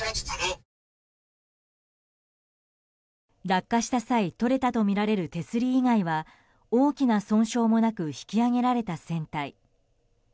落下した際取れたとみられる手すり以外は大きな損傷もなく引き揚げられた船体。